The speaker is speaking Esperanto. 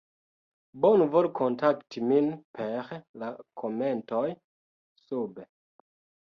bonvolu kontakti min per la komentoj sube